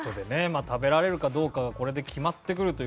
まあ食べられるかどうかがこれで決まってくると。